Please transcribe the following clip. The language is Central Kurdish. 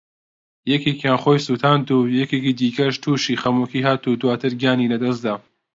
یەکێکیان خۆی سوتاند و یەکێکی دیکەش تووشی خەمۆکی هات و دواتر گیانی لەدەستدا